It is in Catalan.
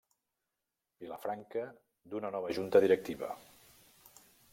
Vilafranca d'una nova junta directiva.